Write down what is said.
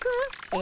え？